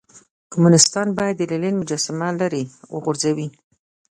کمونيستان بايد د لينن مجسمه ليرې وغورځوئ.